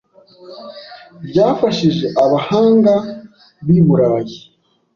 byafashije abahanga b’i Burayi